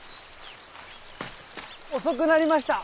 遅くなりました！